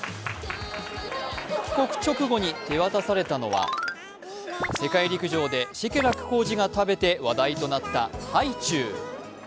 帰国直後に手渡されたのは世界陸上シェケラックコーチが食べて話題となったハイチュウ。